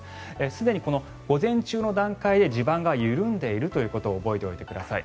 すでにこの午前中の段階で地盤が緩んでいるということを覚えておいてください。